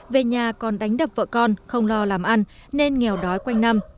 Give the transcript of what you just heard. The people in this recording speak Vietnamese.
về nhà còn đánh đập vợ con không lo làm ăn nên nghèo đói quanh năm